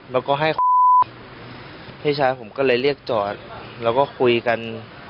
แล้วก็ให้พี่ชายผมก็เลยเรียกจอดแล้วก็คุยกัน